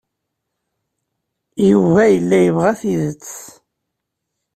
Yuba yella yebɣa tidet.